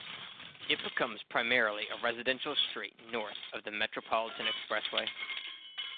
It becomes primarily a residential street north of the Metropolitan Expressway.